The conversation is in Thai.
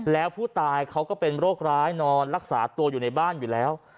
แล้วผู้ตายเขาก็เป็นโรคร้ายนอนรักษาตัวอยู่ในบ้านอยู่แล้ว